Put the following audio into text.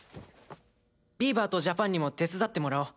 ビーバーとジャパンにも手伝ってもらおう。